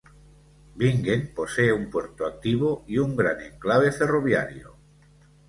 Bingen posee un puerto activo y un gran enclave ferroviario.